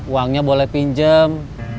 uangnya boleh pinjem